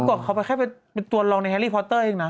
ก่อนเขาแค่เป็นตัวรองในแฮรี่พอเตอร์เองนะ